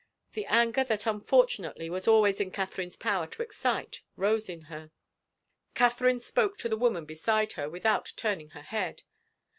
The anger that unfortunately was always in Catherine's power to excite rose in her. Catherine spoke to the woman beside her, without turn ing her head.